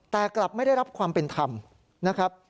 แต่กลับไม่ได้รับความเป็นธรรมนะครับ